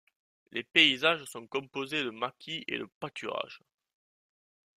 Les paysages sont composés de maquis et de pâturages.